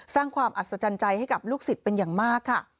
สร้างความอัศจรรย์ใจให้กับลูกศิษย์เป็นอย่างมากค่ะ